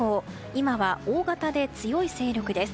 今は大型で強い勢力です。